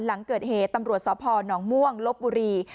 หลังเกิดเหตุตำรวจสพนม่วงลบบุรี